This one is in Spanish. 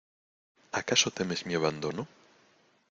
¿ acaso temes mi abandono?